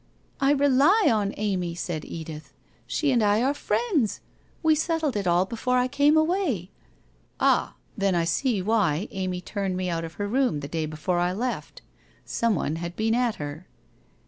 ' I rely on Amy,' said Edith. ' She and I are friends. We settled it all before I came away.' ' Ah, then I see why Amy turned me out of her room the day before I left. Someone had been at her.'